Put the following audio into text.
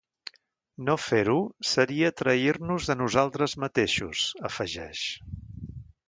No fer-ho seria trair-nos a nosaltres mateixos, afegeix.